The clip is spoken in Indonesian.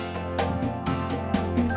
luar biasa sukses